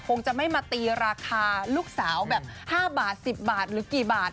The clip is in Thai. คงจะไม่มาตีราคาลูกสาวแบบ๕บาท๑๐บาทหรือกี่บาท